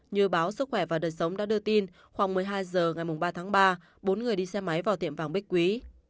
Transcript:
như báo sức khỏe và đời sống đã đưa tin khoảng một mươi hai h ngày ba tháng ba bốn người đi xe máy vào tiệm vàng bích quý